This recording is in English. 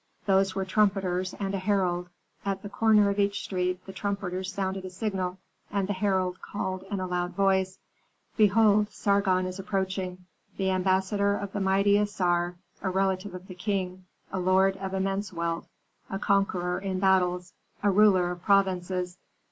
Those were trumpeters and a herald. At the corner of each street the trumpeters sounded a signal, and the herald called in a loud voice: "Behold, Sargon is approaching; the ambassador of the mighty Assar, a relative of the king, a lord of immense wealth, a conqueror in battles, a ruler of provinces.